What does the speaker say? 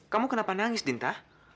kamu kenapa nangis dinta